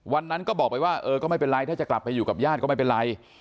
วันนั้นก็บอกไปว่าเออก็ไม่เป็นไรถ้าจะกลับไปอยู่กับญาติก็ไม่เป็นไร